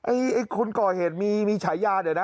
ไอ้คนก่อเหตุมีฉายาเดี๋ยวนะ